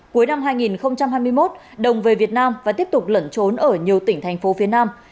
cuối năm hai nghìn hai mươi một đồng về việt nam và tiếp tục lẩn trốn ở nhiều tỉnh thành phố phía nam